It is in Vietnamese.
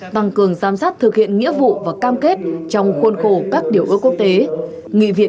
tăng cường giám sát thực hiện nghĩa vụ và cam kết trong khuôn khổ các điều ước quốc tế